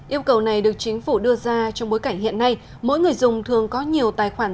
yêu cầu này được chính phủ đưa ra trong bối cảnh hiện nay mỗi người dùng thường có nhiều tài khoản